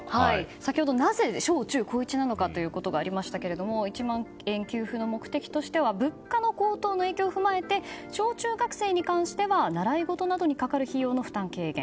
先ほど、なぜ小中高１なのかということがありましたが１万円給付の目的としては物価の高騰の影響を踏まえて小中学生に関しては習い事などにかかる費用の負担軽減。